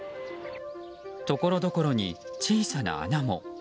ところどころに小さな穴も。